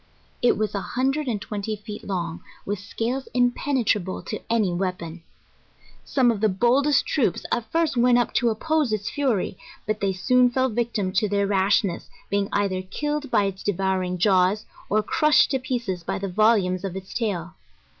It was a hundred and twenty feet long, with scales impenetrable to any wea pon. Some of the boldest troops at first went up to oppose its fury, but they soon fell victims to their rashness, being either killed by its devouring jaws, or crushed to pieces by the volumes of its tail.